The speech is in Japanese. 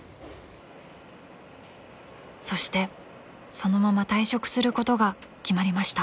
［そしてそのまま退職することが決まりました］